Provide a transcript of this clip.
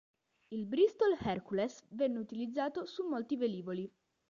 Il Bristol Hercules venne utilizzato su molti velivoli.